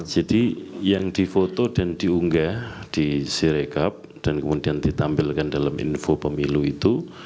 jadi yang di foto dan diunggah di sirekap dan kemudian ditampilkan dalam info pemilu itu